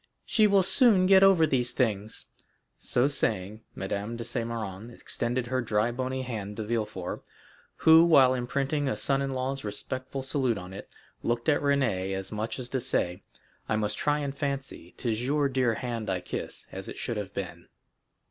"She will soon get over these things." So saying, Madame de Saint Méran extended her dry bony hand to Villefort, who, while imprinting a son in law's respectful salute on it, looked at Renée, as much as to say, "I must try and fancy 'tis your dear hand I kiss, as it should have been."